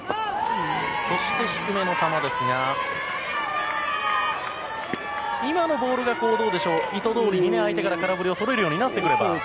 そして低めの球ですが今のボールが、どうでしょう意図どおりに、相手から空振りをとれるようになってくれば。